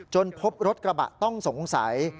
พบรถกระบะต้องสงสัย